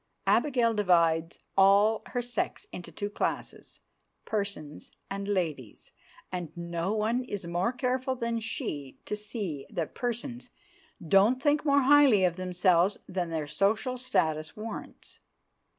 Abigail divides all her sex into two classes, "persons" and "ladies," and no one is more careful than she to see that "persons" don't think more highly of themselves than their social status warrants.